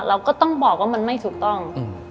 เราก็ต้องบอกว่ามันไม่ถูกต้อง